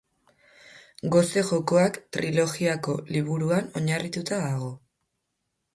Gose Jokoak trilogiako liburuan oinarritua dago.